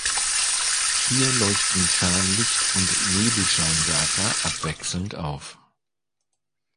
Hier leuchten Fernlicht und Nebelscheinwerfer abwechselnd auf.